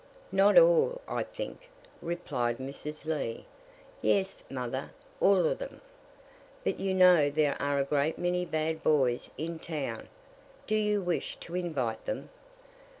"Not all, I think," replied Mrs. Lee. "Yes, mother, all of them." "But you know there are a great many bad boys in town. Do you wish to invite them?"